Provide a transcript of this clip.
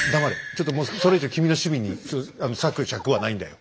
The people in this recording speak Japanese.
ちょっともうそれ以上君の趣味に割く尺はないんだよ。